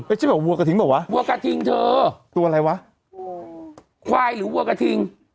เอ๊ะใช่ไหมวัวกระทิงบ้างวะวัวกระทิงเธอตัวอะไรวะอ๋อควายหรือวัวกระทิง